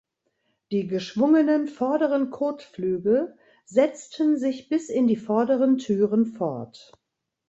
Die geschwungenen vorderen Kotflügel setzten sich bis in die vorderen Türen fort.